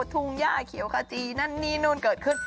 ทุ่งย่าเขียวขจีนั่นนี่นู่นเกิดขึ้น